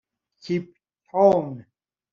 کیپ تاون